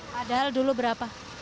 padahal dulu berapa